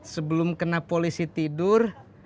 sebelum kena polisi tidur